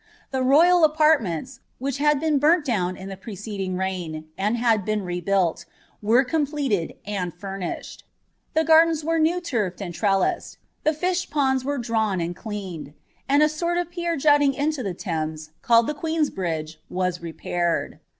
The loyal apartments, which had been burnt down in the preceding teign, and had been rebuilt, were completed and furnished', the gardens were new turfed and Irelissed, the fish ponds •rcn drvwn and cleaned, and a sort of pier jutting into the Thames, allrd tlic Q.ueen's Bridge, was repaired.